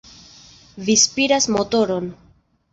Vi spiras motoron!